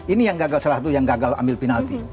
ini salah satu yang gagal ambil penalti